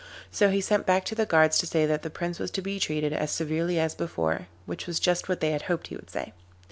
So he sent back to the guards to say that the Prince was to be treated as severely as before, which was just what they had hoped he would say.